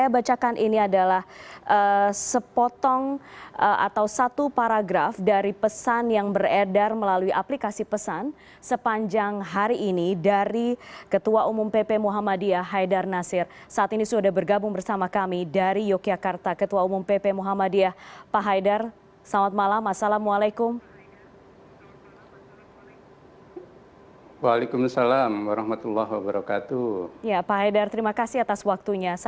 bersama bapak bapak sekalian